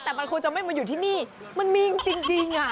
แต่มันคงจะไม่มาอยู่ที่นี่มันมีจริงอ่ะ